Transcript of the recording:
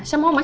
eh mau kemana